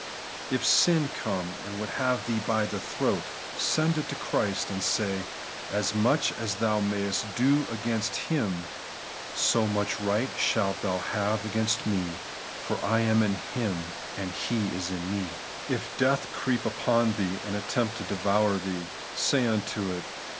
If sin come, and would have thee by the throat, send it to Christ, and say, As much as thou mayest do again^ Him, «ro much right shalt thou have against me ; for I am in Him, and He is in me. If death creep upon thee and attempt to devour thee, say unto it.